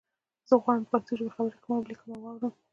زه غواړم په پښتو ژبه خبری وکړم او ولیکم او وارم